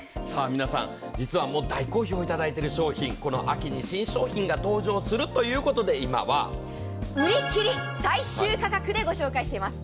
皆さん、実はもう大好評をいただいている商品、この秋に新商品が登場するということで今は売り切り最終価格でご紹介しています。